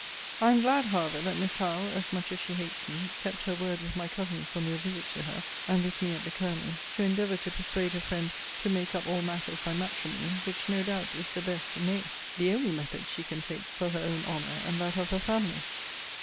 I am glad, however, that Miss Howe (as much as she hates me) kept her word with my cousins on their visit to her, and with me at the Colonel's, to endeavour to persuade her friend to make up all matters by matrimony; which, no doubt, is the best, nay, the only method she can take, for her own honour, and that of her family.